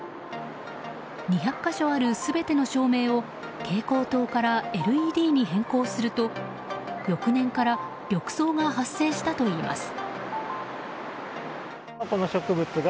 ２００か所ある全ての照明を蛍光灯からＬＥＤに変更すると翌年から緑藻が発生したといいます。